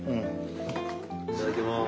いただきます。